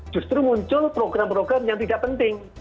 justru muncul program program yang tidak penting